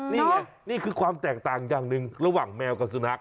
นี่คงมีความแตกต่างขึ้นจากระหว่างแมวกับสุนัก